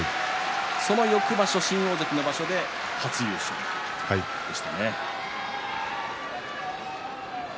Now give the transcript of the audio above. その翌場所、新大関の場所で初優勝でしたね。